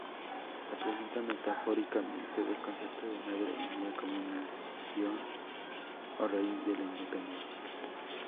Representa metafóricamente del concepto de "Madre India", como nación a raíz de la independencia.